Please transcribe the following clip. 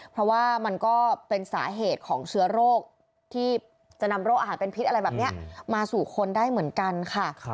เพราะว่ามันก็เป็นสาเหตุของเชื้อโรคที่จะนำโรคอาหารเป็นพิษอะไรแบบนี้มาสู่คนได้เหมือนกันค่ะ